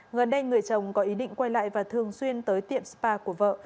gần đây người chồng có ý định quay lại và thường xuyên tới tiệm spa của vợ